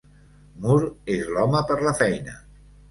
Moore és l'home per la feina.